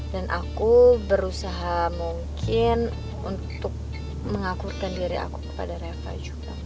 dan aku berusaha mungkin untuk mengakurkan diri aku kepada reva juga